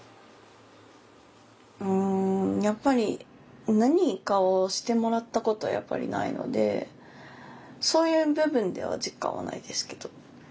やっぱり何かをしてもらったことはやっぱりないのでそういう部分では実感はないですけど。